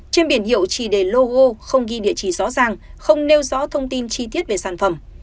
trên biển hiệu chỉ để logo không ghi địa chỉ rõ ràng không nêu rõ thông tin chi tiết về sản phẩm